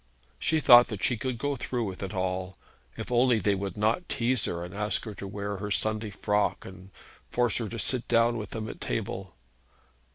She thought that she could go through with it all, if only they would not tease her, and ask her to wear her Sunday frock, and force her to sit down with them at table.